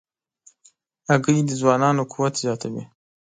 هګۍ د ځوانانو قوت زیاتوي.